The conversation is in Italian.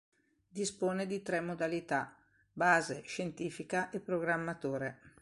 Dispone di tre modalità: base, scientifica e programmatore.